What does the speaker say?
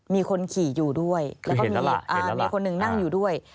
มีคนขี่อยู่ด้วยแล้วก็มีคนหนึ่งนั่งอยู่ด้วย